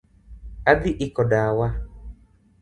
Adhi iko dawa